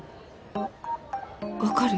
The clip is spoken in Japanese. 分かる？